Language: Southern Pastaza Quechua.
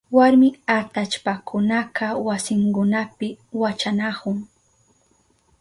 Warmi atallpakunaka wasinkunapi wachanahun.